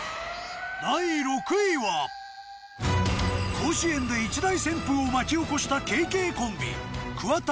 甲子園で一大旋風を巻き起こしたＫＫコンビ桑田